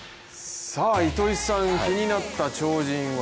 糸井さん、気になった超人は？